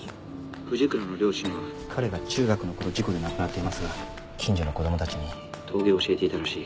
藤倉の両親は彼が中学のころ事故で亡くなっていますが近所の子供たちに陶芸を教えていたらしい。